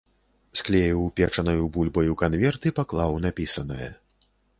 Склеіў печанаю бульбаю канверт і паклаў напісанае.